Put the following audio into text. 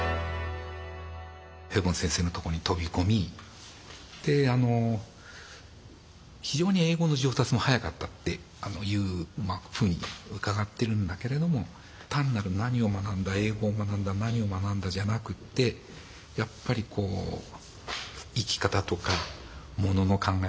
ヘボン先生のとこに飛び込み非常に英語の上達も早かったっていうふうに伺ってるんだけれども単なる何を学んだ英語を学んだ何を学んだじゃなくてやっぱり生き方とかものの考え方。